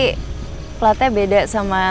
kelatnya beda sama